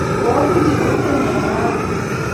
Koabuchi kokwenyo rauni